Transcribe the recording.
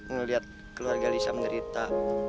ngeliat keluarga lisa menderita